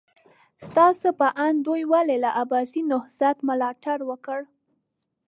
ستاسو په اند دوی ولې له عباسي نهضت ملاتړ وکړ؟